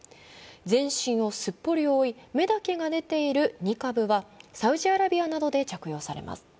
全身をすっぽり覆い目だけが出ているニカブはサウジアラビアなどで着用されます。